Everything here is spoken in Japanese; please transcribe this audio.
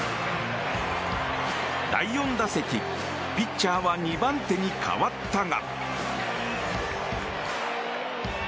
第４打席、ピッチャーは２番手に代わったが。